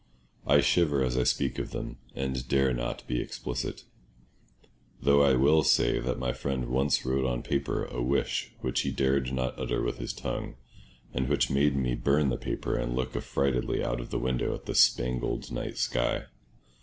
I shiver as I speak of them, and dare not be explicit; though I will say that my friend once wrote on paper a wish which he dared not utter with his tongue, and which made me burn the paper and look affrightedly out of the window at the spangled night sky.